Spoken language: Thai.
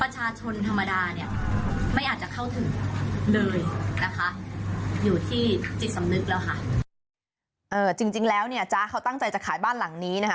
จริงแล้วเนี่ยจ๊ะเขาตั้งใจจะขายบ้านหลังนี้นะคะ